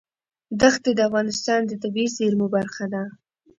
ښتې د افغانستان د طبیعي زیرمو برخه ده.